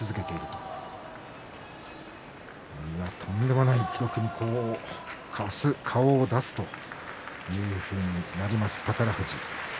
とんでもない記録に明日、顔を出すというふうになります、宝富士。